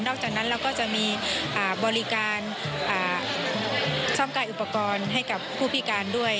จากนั้นเราก็จะมีบริการซ่อมกายอุปกรณ์ให้กับผู้พิการด้วย